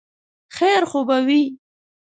خیر خو به وي ؟